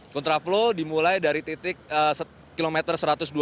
contraflow dimulai dari titik kilometer satu ratus dua puluh empat ratus